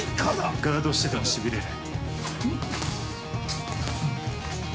ガードしててもしびれる。